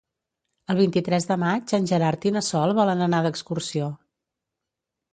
El vint-i-tres de maig en Gerard i na Sol volen anar d'excursió.